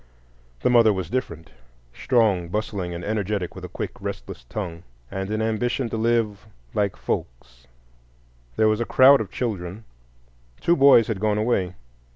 The mother was different,—strong, bustling, and energetic, with a quick, restless tongue, and an ambition to live "like folks." There was a crowd of children. Two boys had gone away.